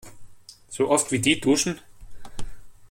So oft, wie die duschen!